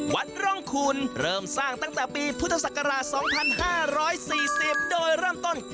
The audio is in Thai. วัดร่องคูณเริ่มสร้างตั้งแต่ปีพุทธศักราช๒๕๔๐โดยเริ่มต้น